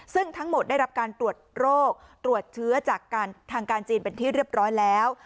ซึ่งทั้งหมดได้รับการตรวจโรคตรวจเชื้อจากทางการจีนเป็นที่เรียบร้อยแล้ว